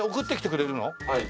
はい。